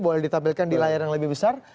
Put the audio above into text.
boleh ditampilkan di layar yang lebih besar